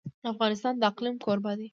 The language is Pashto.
افغانستان د اقلیم کوربه دی.